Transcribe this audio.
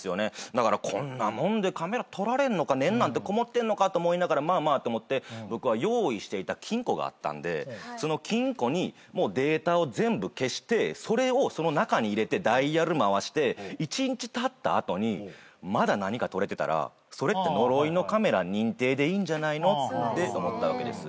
だからこんなもんでカメラ撮られるのか念なんてこもってるのかと思いながらまあまあと思って僕は用意していた金庫があったんでその金庫にデータを全部消してそれをその中に入れてダイヤル回して１日たったあとにまだ何か撮れてたらそれって呪いのカメラ認定でいいんじゃないのって思ったわけです。